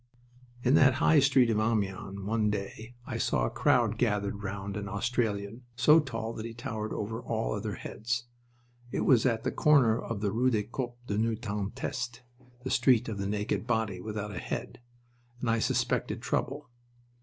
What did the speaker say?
In that High Street of Amiens one day I saw a crowd gathered round an Australian, so tall that he towered over all other heads. It was at the corner of the rue de Corps Nu sans Teste, the Street of the Naked Body without a Head, and I suspected trouble.